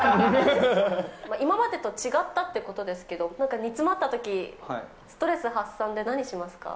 今までと違ったってことですけど、なにか煮詰まったとき、ストレス発散で何しますか。